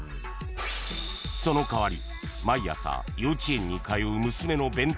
［その代わり］